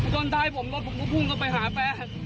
จนท้ายผมรถผมก็พุ่งเข้าไปหาแฟน